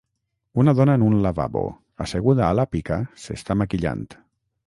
Una dona en un lavabo, asseguda a la pica, s'està maquillant.